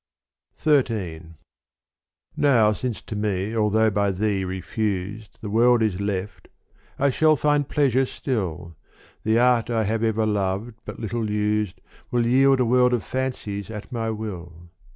XIII Now since to me although by thee refused The world is left, I shall find pleasure still : The art I have ever loved but little used Will yield a world of fancies at my will.